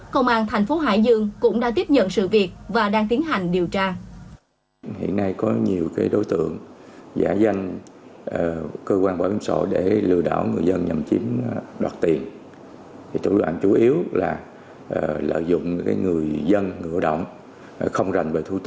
công an thành phố hải dương cũng đã tiếp nhận sự việc và đang tiến hành điều tra